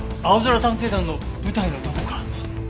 『あおぞら探偵団』の舞台のどこか。